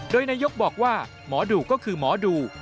โดยนายกบอกว่าหมอดูก็คือหมอดู